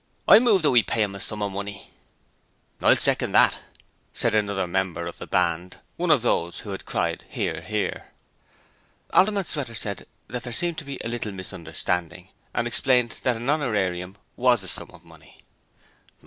I move that we pay 'im a sum of money.' 'I'll second that,' said another member of the Band one of those who had cried 'Hear, Hear.' Alderman Sweater said that there seemed to be a little misunderstanding and explained that an honorarium WAS a sum of money.